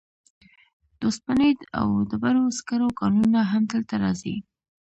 د اوسپنې او ډبرو سکرو کانونه هم دلته راځي.